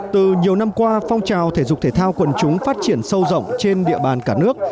từ nhiều năm qua phong trào thể dục thể thao quần chúng phát triển sâu rộng trên địa bàn cả nước